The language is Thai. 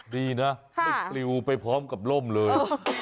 ดีนะไม่ปลิวไปพร้อมกับร่มเลย